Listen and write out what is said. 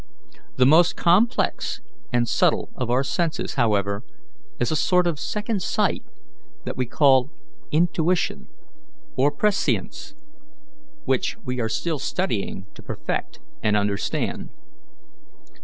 The most complex and subtle of our senses, however, is a sort of second sight that we call intuition or prescience, which we are still studying to perfect and understand.